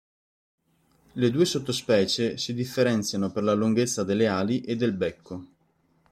Le due sottospecie si differenziano per la lunghezza delle ali e del becco.